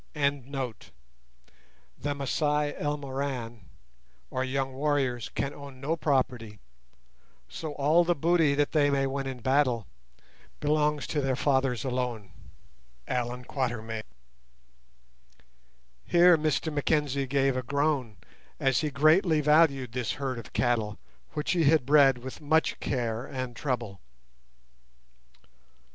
The Masai Elmoran or young warriors can own no property, so all the booty they may win in battle belongs to their fathers alone.—A. Q. Here Mr Mackenzie gave a groan, as he greatly valued this herd of cattle, which he bred with much care and trouble.